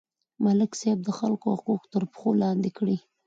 ملک صاحب د خلکو حقوق تر پښو لاندې کړي.